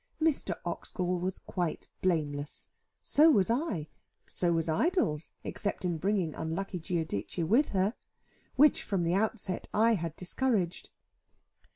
Mr. Oxgall was quite blameless, so was I, so was Idols, except in bringing unlucky Giudice with her, which, from the outset, I had discouraged.